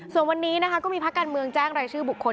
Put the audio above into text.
ส่วนวันนี้นะคะก็มีภาคการเมืองแจ้งรายชื่อบุคคล